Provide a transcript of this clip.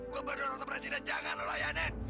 gue berdoa untuk presiden jangan lo layanin